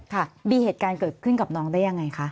ค่ะมีเหตุการณ์เกิดขึ้นกับน้องได้ยังไงคะ